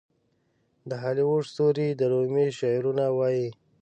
د هالیووډ ستوري د رومي شعرونه وايي.